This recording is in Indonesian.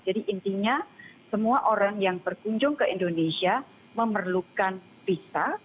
jadi intinya semua orang yang berkunjung ke indonesia memerlukan visa